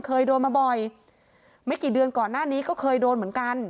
เคยโดนมาบ่อยไม่กี่เดือนก่อนหน้านี้ก็เคยโดนเหมือนกัน